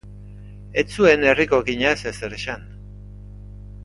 Ez zuen herriko okinaz ezer esan.